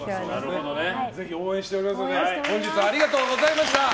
ぜひ応援しておりますので本日はありがとうございました。